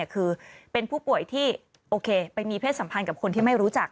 คือเป็นผู้ป่วยที่โอเคไปมีเพศสัมพันธ์กับคนที่ไม่รู้จัก